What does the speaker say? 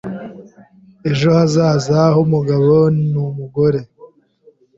Ejo hazaza h'umugabo n'umugore